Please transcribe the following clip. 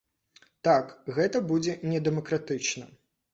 Так, гэта будзе недэмакратычна.